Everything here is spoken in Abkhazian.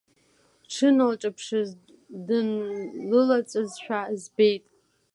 Дшыналҿаԥшыз дынлылаҵәазшәа збеит.